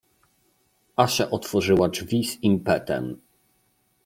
Asia otworzyła drzwi z impetem.